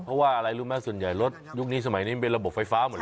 เพราะว่าอะไรรู้ไหมส่วนใหญ่รถยุคนี้สมัยนี้มันเป็นระบบไฟฟ้าหมดแล้ว